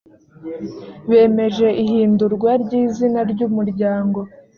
bemeje ihindurwa ry izina ry umuryango